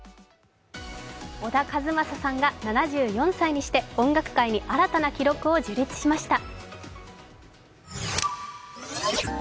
小田和正さんが７４歳にして、音楽界に新たな記録を樹立しました。